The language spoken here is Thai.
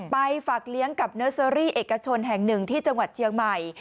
ฝากเลี้ยงกับเนอร์เซอรี่เอกชนแห่งหนึ่งที่จังหวัดเชียงใหม่